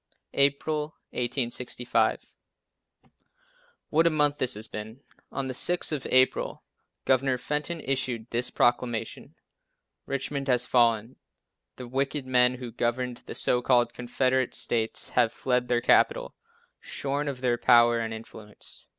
April, 1865. What a month this has been. On the 6th of April Governor Fenton issued this proclamation: "Richmond has fallen. The wicked men who governed the so called Confederate States have fled their capital, shorn of their power and influence.